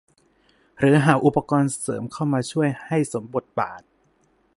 หรือหาอุปกรณ์เสริมเข้ามาช่วยให้สมบทบาท